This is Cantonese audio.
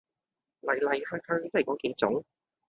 黎黎去去都係果幾種